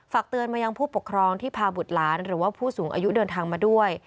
เตือนมายังผู้ปกครองที่พาบุตรหลานหรือว่าผู้สูงอายุเดินทางมาด้วย